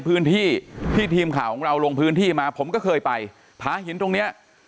พื้นที่ที่ทีมข่าวของเราลงพื้นที่มาผมก็เคยไปผาหินตรงเนี้ย